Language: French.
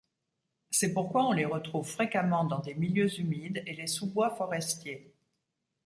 C'est pourquoi on les retrouve fréquemment dans des milieux humides et les sous-bois forestiers.